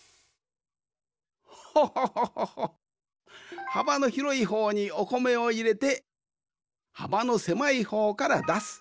ホホホホホッはばのひろいほうにおこめをいれてはばのせまいほうからだす。